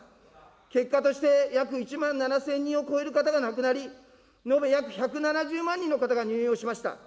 結果として約１万７０００人を超える方が亡くなり、延べ約１７０万人の方が入院をしました。